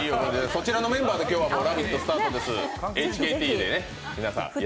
そちらのメンバーで「ラヴィット！」スタートです。